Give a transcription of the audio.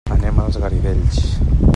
Anem als Garidells.